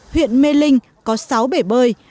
huyện mê linh có sáu bể bơi